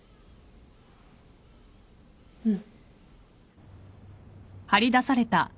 うん。